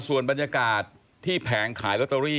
ส่วนบรรยากาศที่แผงขายลอตเตอรี่